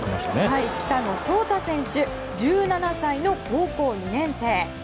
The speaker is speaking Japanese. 北野颯太選手１７歳の高校２年生。